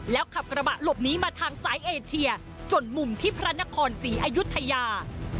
ขับกระบะหลบหนีมาทางสายเอเชียจนมุมที่พระนครศรีอายุทยา